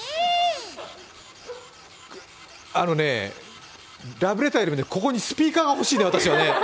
あのね、ラブレターよりもここにスピーカーが欲しいね、私。